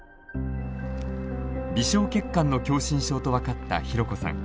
微小血管の狭心症と分かったひろこさん。